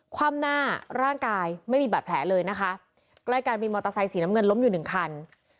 ความหน้าร่างกายไม่มีบาดแผลเลยนะคะใกล้กันมีมอเตอร์ไซค์สีน้ำเงินล้มอยู่หนึ่งคัน